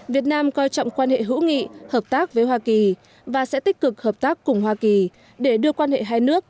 việt nam coi trọng quan hệ hữu nghị hợp tác với hoa kỳ và sẽ tích cực hợp tác cùng hoa kỳ để đưa quan hệ hai nước